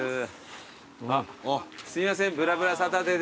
すいません『ぶらぶらサタデー』です。